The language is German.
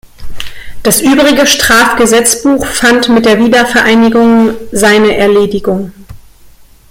Das übrige Strafgesetzbuch fand mit der Wiedervereinigung seine Erledigung.